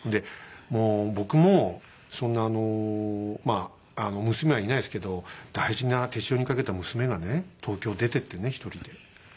僕もそんなあのまあ娘はいないですけど大事な手塩にかけた娘がね東京出てってね１人で。